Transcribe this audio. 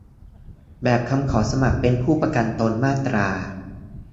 แบบคำขอสมัครเป็นผู้ประกันตนมาตรา